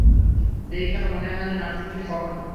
দেইখা মনে হয় না, নাম শুনছে কখনও।